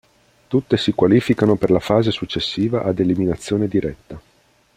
Tutte si qualificano per la fase successiva ad eliminazione diretta.